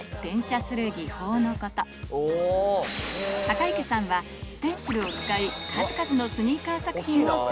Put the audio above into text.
赤池さんはステンシルを使い数々のスニーカー作品を制作